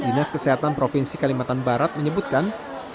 dinas kesehatan provinsi kalimantan barat menyebutkan